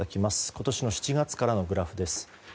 今年の７月からのグラフです。